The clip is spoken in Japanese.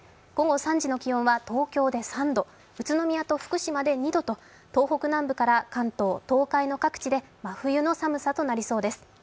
午後３時の気温は東京で３度、宇都宮と福島で２度と東北南部から関東・東海の各地で真冬の寒さとなりそうです。